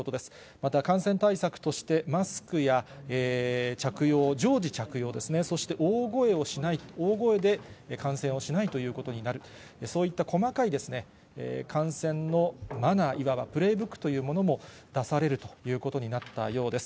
また感染対策として、マスクや常時着用、そして大声をしない、大声で観戦をしないということになると、そういった細かい感染のマナー、いわばプレーブックというものも出されるということになったようです。